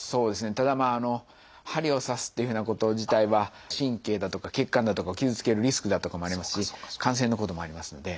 ただ針を刺すっていうふうなこと自体は神経だとか血管だとかを傷つけるリスクだとかもありますし感染のこともありますので